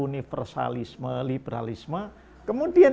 liberalisme liberalisme kemudian